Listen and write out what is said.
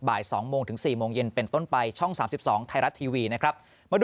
บ่าย๒โมงถึง๔โมงเย็นเป็นต้นไปช่อง๓๒ไทยรัฐทีวีนะครับ